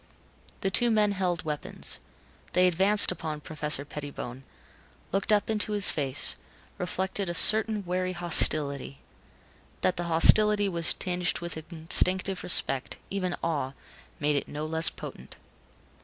The two men held weapons. They advanced upon Professor Pettibone, looked up into his face, reflected a certain wary hostility. That the hostility was tinged with instinctive respect, even awe, made it no less potent.